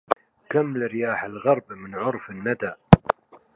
كم لريح الغرب من عرف ندي